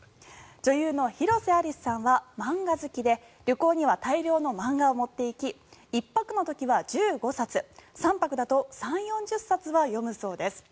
女優の広瀬アリスさんは漫画好きで旅行には大量の漫画を持っていき１泊の時は１５冊３泊の時は３０４０冊読むそうです。